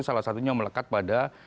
salah satunya melekat pada